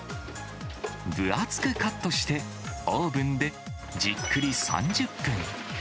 分厚くカットして、オーブンでじっくり３０分。